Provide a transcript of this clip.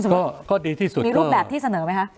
ก็ดีที่สุดมีรูปแบบที่เสนอไหมคะ